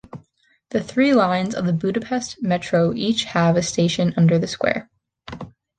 The three lines of the Budapest Metro each have a station under the square.